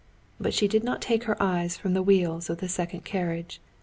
But she did not take her eyes from the wheels of the second carriage.